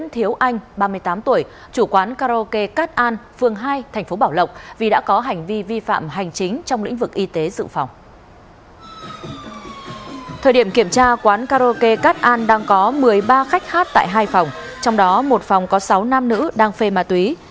thời điểm kiểm tra quán karaoke cát an đang có một mươi ba khách hát tại hai phòng trong đó một phòng có sáu nam nữ đang phê ma túy